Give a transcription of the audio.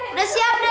udah siap deh